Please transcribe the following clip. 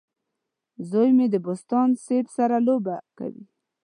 زوی مې د بوسټان سیب سره لوبه کوي.